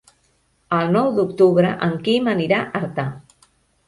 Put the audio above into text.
El nou d'octubre en Quim anirà a Artà.